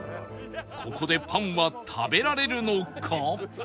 ここでパンは食べられるのか？